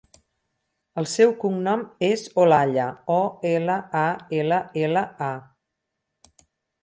El seu cognom és Olalla: o, ela, a, ela, ela, a.